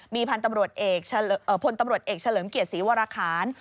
มีพันธ์ตำรวจเอกเฉลิมเกียรติศรีวรคาร